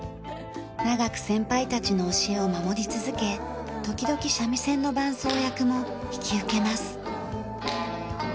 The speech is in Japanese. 長く先輩たちの教えを守り続け時々三味線の伴奏役も引き受けます。